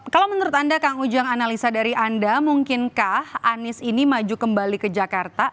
kalau menurut anda kang ujang analisa dari anda mungkinkah anies ini maju kembali ke jakarta